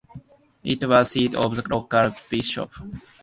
It was the seat of the local bishop.